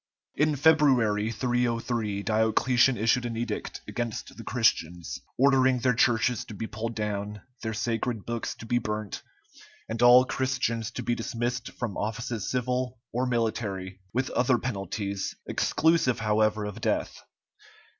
In February, 303, Diocletian issued an edict against the Christians, ordering their churches to be pulled down, their sacred books to be burnt, and all Christians to be dismissed from offices civil or military, with other penalties, exclusive however of death.